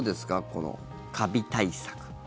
このカビ対策。